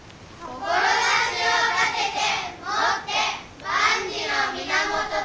「志を立ててもって万事の源となす」。